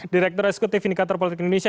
direktur eksekutif indikator politik indonesia